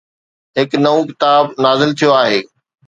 هڪ نئون ڪتاب نازل ٿيو آهي